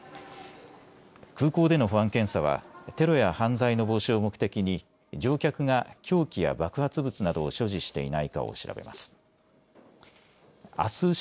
空港での保安検査はテロや犯罪の防止を目的に乗客が凶器や爆発物などを所持していないかを調べます。